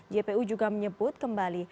jpu juga menyebut kembali